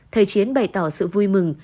thầy chiến bày tỏ sự vui mừng